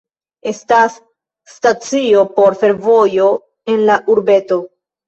Estas stacio por fervojo en la urbeto.